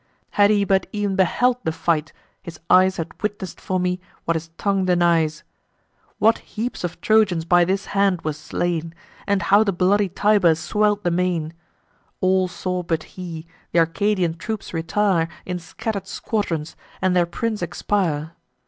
Had he but ev'n beheld the fight, his eyes Had witness'd for me what his tongue denies: What heaps of Trojans by this hand were slain, And how the bloody Tiber swell'd the main. All saw, but he, th' Arcadian troops retire In scatter'd squadrons, and their prince expire.